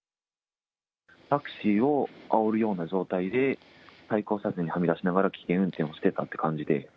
タクシーをあおるような状態で、対向車線にはみ出しながら危険運転をしてたって感じで。